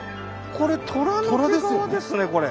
これ虎の毛皮ですねこれ。